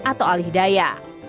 atau alih daya